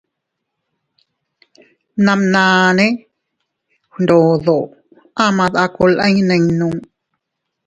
Bnabnane gndodo ama dakulin ninno.